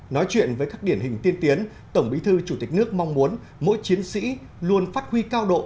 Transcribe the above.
nói chuyện với các điển hình tiên tiến tổng bí thư chủ tịch nước mong muốn mỗi chiến sĩ luôn phát huy cao độ